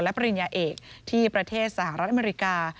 ปริญญาเอกที่ประเทศสหรัฐอเมริกา